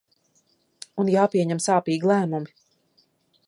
Un jāpieņem sāpīgi lēmumi.